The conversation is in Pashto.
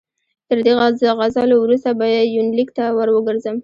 تر دې غزلو وروسته به یونلیک ته ور وګرځم.